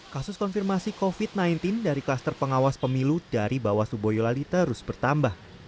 kasus konfirmasi covid sembilan belas dari kluster pengawas pemilu dari bawaslu boyolali terus bertambah